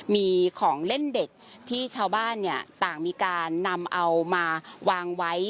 มีของเล่นเด็กที่ชาวบ้านเนี่ยต่างมีการนำเอามาวางไว้